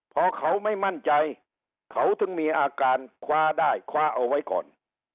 พอเขาไม่มั่นใจเขาถึงมีอาการคว้าได้คว้าเอาไว้ก่อน